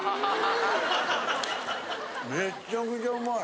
めっちゃくちゃうまい。